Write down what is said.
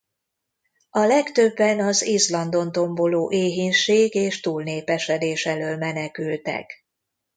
A legtöbben az Izlandon tomboló éhínség és túlnépesedés elől menekültek.